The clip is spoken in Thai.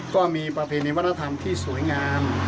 ก็มีประเพณีวัฒนธรรมที่สวยงาม